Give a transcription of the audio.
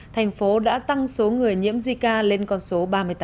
thành phố đã tăng số người nhiễm zika lên con số ba mươi tám